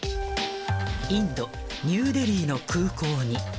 インド・ニューデリーの空港に。